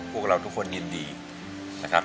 พวกเราทุกคนยินดีนะครับ